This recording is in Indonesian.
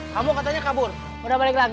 kamu katanya kabur udah balik lagi